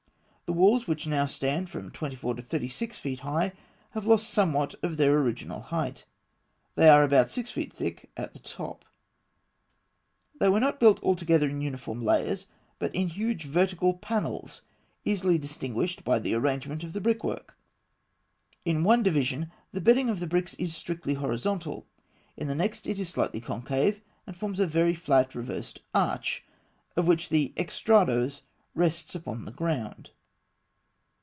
The walls, which now stand from twenty four to thirty six feet high, have lost somewhat of their original height. They are about six feet thick at the top. They were not built all together in uniform layers, but in huge vertical panels, easily distinguished by the arrangement of the brickwork. In one division the bedding of the bricks is strictly horizontal; in the next it is slightly concave, and forms a very flat reversed arch, of which the extrados rests upon the ground.